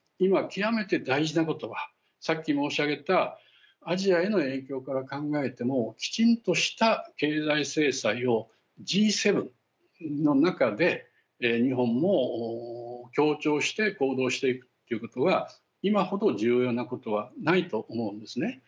今、極めて大事なことはさっき申し上げたアジアへの影響から考えてもきちんとした経済制裁をＧ７の中で日本も協調して行動していくということは今ほど重要なことはないと思うんですね。